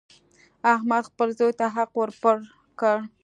احمد خپل زوی ته حق ور پل کړ.